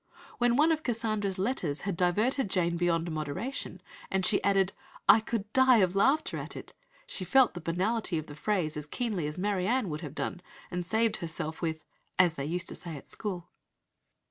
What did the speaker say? When one of Cassandra's letters had diverted Jane "beyond moderation," and she added: "I could die of laughter at it," she felt the banality of the phrase as keenly as Marianne would have done, and saved herself with "as they used to say at school."